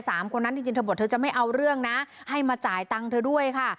คนนั้นจริงจริงเธอบอกเธอจะไม่เอาเรื่องนะให้มาจ่ายตังค์เธอด้วยค่ะ